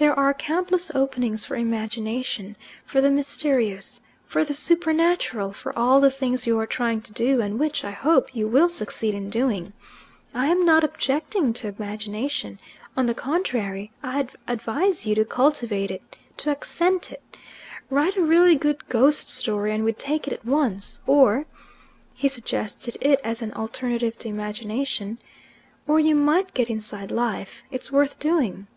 There are countless openings for imagination, for the mysterious, for the supernatural, for all the things you are trying to do, and which, I hope, you will succeed in doing. I'm not OBJECTING to imagination; on the contrary, I'd advise you to cultivate it, to accent it. Write a really good ghost story and we'd take it at once. Or" he suggested it as an alternative to imagination "or you might get inside life. It's worth doing."